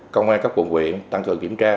công an các quận quyền tăng cường kiểm tra